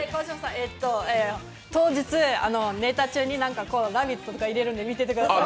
当日、ネタ中になんか「ラヴィット！」とか入れるんで見ててください。